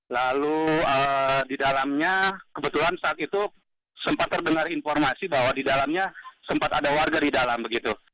lalu di dalamnya kebetulan saat itu sempat terdengar informasi bahwa di dalamnya sempat ada warga di dalam begitu